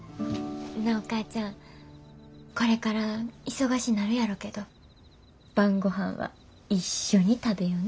なあお母ちゃんこれから忙しなるやろけど晩ごはんは一緒に食べよな。